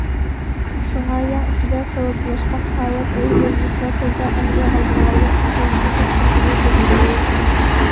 شۇڭا، يەڭ ئىچىدە سودىلاشقان تاۋار ئۆي بولمىسىلا، توردا ئەنگە ئالدۇرغانلىق ئۇچۇرىنى تەكشۈرگىلى بولىدۇ.